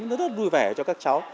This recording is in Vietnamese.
nó rất vui vẻ cho các cháu